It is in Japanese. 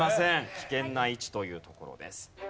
危険な位置というところです。